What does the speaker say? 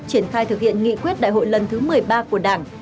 triển khai thực hiện nghị quyết đại hội lần thứ một mươi ba của đảng